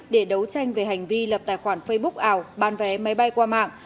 để đấu tranh về hành vi lập tài khoản facebook ảo bán vé máy bay qua mạng